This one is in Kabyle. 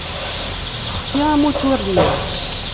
Ssexsi amutur-nni.